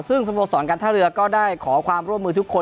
ซึ่งสโมสรการท่าเรือก็ได้ขอความร่วมมือทุกคน